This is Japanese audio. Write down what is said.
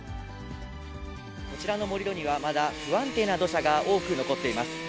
こちらの盛り土にはまだ不安定な土砂が多く残っています。